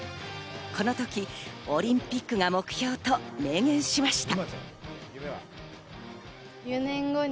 この時、オリンピックが目標と明言しました。